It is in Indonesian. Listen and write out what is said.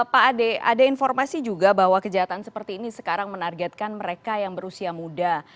pak ade ada informasi juga bahwa kejahatan seperti ini sekarang menargetkan mereka yang berusia muda